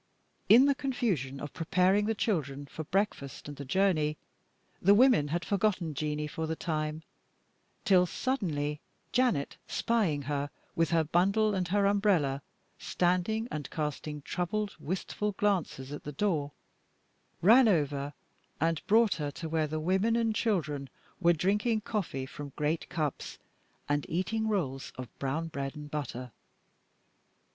In the confusion of preparing the children for breakfast and the journey, the women had forgotten Jeanie for the time, till suddenly Janet, spying her, with her bundle and her umbrella, standing and casting troubled, wistful glances at the door, ran over and brought her to where the women and children were drinking coffee from great cups, and eating rolls of brown bread and butter.